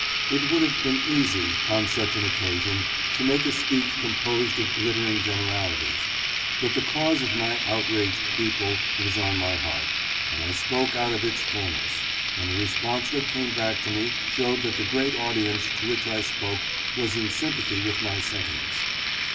It would have been easy on such an occasion to make a speech composed of glittering generalities ; but the cause of my outraged people was on my heart, and I spoke out of its fullness ; and the response that came back to me showed that the great audience to which I spoke was in sympathy with my sentiments.